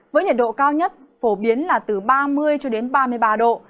với nhiệt độ cao nhất phổ biến là từ ba mươi cho đến ba mươi ba độ